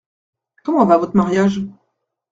Comment va votre mariage ?